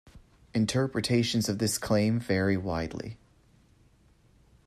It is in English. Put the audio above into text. Interpretations of this claim vary widely.